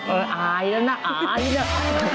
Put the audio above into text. อายแล้วนะอายแล้ว